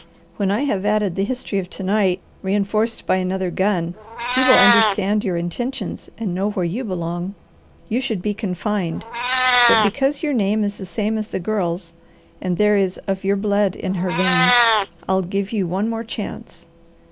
When I have added the history of to night, reinforced by another gun, he will understand your intentions and know where you belong. You should be confined, but because your name is the same as the Girl's, and there is of your blood in her veins, I'll give you one more chance.